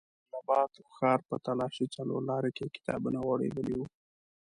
د جلال اباد ښار په تالاشۍ څلور لاري کې کتابونه غوړېدلي وو.